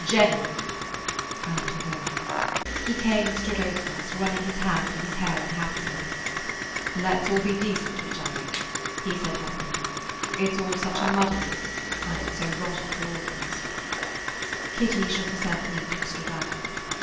"Jenny!" I let her go. He came and stood over us, running his hand through his hair unhappily. "Let 's all be decent to each other," he said heavily. "It 's all such a muddle, and it 's so rotten for all of us–" Kitty shook herself neat and stood up.